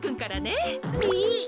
えっ！